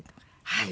はい。